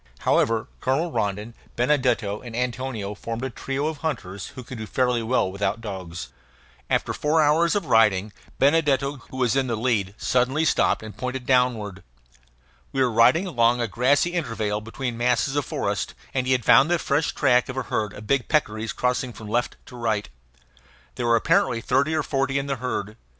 However, Colonel Rondon, Benedetto, and Antonio formed a trio of hunters who could do fairly well without dogs. After four hours of riding, Benedetto, who was in the lead, suddenly stopped and pointed downward. We were riding along a grassy intervale between masses of forest, and he had found the fresh track of a herd of big peccaries crossing from left to right. There were apparently thirty or forty in the herd.